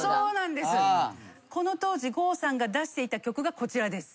この当時郷さんが出していた曲がこちらです。